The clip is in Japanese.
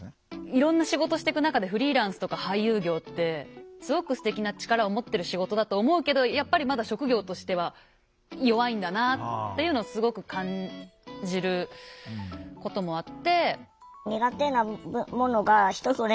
いろんな仕事していく中でフリーランスとか俳優業ってすごくすてきな力を持ってる仕事だと思うけどやっぱりまだ職業としては弱いんだなっていうのをすごく感じることもあって。